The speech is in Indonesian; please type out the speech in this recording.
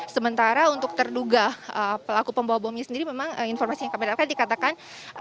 sementara untuk terduga pelaku pembawa bomnya sendiri memang informasi yang kami dapatkan dikatakan